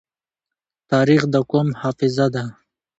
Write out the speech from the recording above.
تاریخ د قوم حافظه ده.